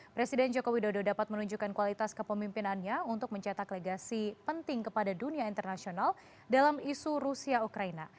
presiden jokowi dodo dapat menunjukkan kualitas kepemimpinannya untuk mencetak legasi penting kepada dunia internasional dalam isu rusia ukraina